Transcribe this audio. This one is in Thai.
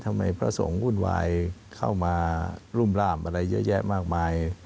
พระสงฆ์วุ่นวายเข้ามารุ่มร่ามอะไรเยอะแยะมากมาย